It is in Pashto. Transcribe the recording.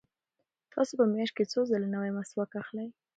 تاسو په میاشت کې څو ځله نوی مسواک اخلئ؟